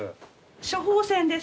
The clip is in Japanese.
処方箋です。